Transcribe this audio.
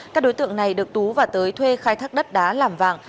các đối tượng này được tú và tới thuê khai thác đất đá làm vàng